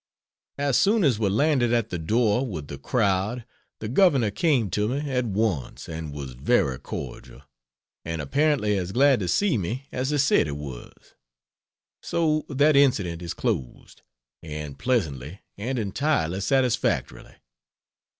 As soon as we landed at the door with the crowd the Governor came to me at once and was very cordial, and apparently as glad to see me as he said he was. So that incident is closed. And pleasantly and entirely satisfactorily.